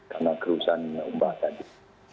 karena kerusan umbah tadi